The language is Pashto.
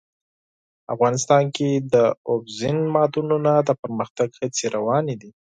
افغانستان کې د اوبزین معدنونه د پرمختګ هڅې روانې دي.